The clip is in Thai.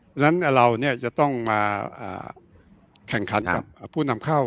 เพราะฉะนั้นเราจะต้องมาแข่งขันกับผู้นำเข้า